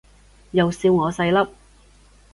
又笑我細粒